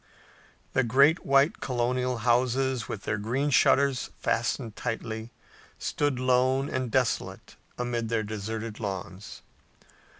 The great white colonial houses, with their green shutters fastened tightly, stood lone and desolate amid their deserted lawns.